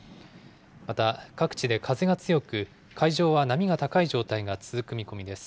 また、各地で風が強く、海上は波が高い状態が続く見込みです。